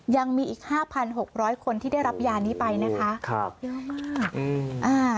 ยังมีอีก๕๖๐๐คนที่ได้รับยานี้ไปนะคะ